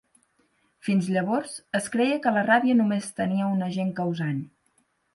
Fins llavors, es creia que la ràbia només tenia un agent causant.